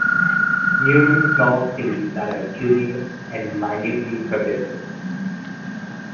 Numerous small seeds that are cuneate and minutely tuberculate.